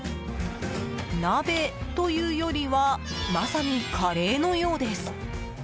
鍋というよりはまさにカレーのようです。